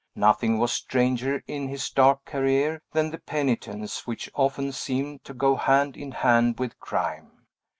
Nothing was stranger in his dark career than the penitence which often seemed to go hand in hand with crime.